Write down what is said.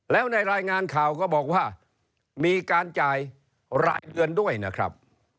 แล้วในรายงานข่าวก็บอกว่ามีการจ่ายรายเดือนด้วยนะครับ